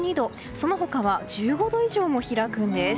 その他は１５度以上も開くんです。